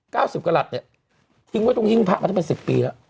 สิบกระหลัดเนี่ยทิ้งไว้ตรงหิ้งพระมาตั้งเป็นสิบปีแล้ว